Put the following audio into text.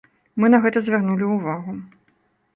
Мы на гэта звярнулі ўвагу.